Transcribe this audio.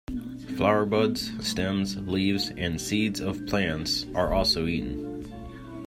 Flower buds, stems, leaves and seeds of plants are also eaten.